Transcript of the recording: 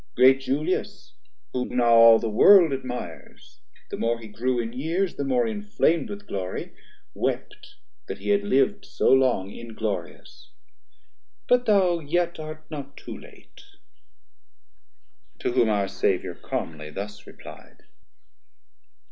Great Julius, whom now all the world admires, The more he grew in years, the more inflam'd 40 With glory, wept that he had liv'd so long Inglorious: but thou yet art not too late. To whom our Saviour calmly thus reply'd.